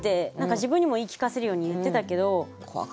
自分にも言い聞かせるように言ってたけど。